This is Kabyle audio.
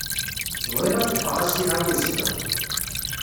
Bɣiɣ ad ḍḍfeɣ asihaṛ i uzekka.